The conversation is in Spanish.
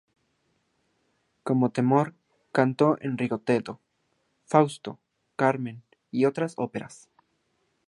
Como tenor, cantó en "Rigoletto", "Fausto", "Carmen" y otras óperas.